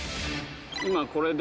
今これで。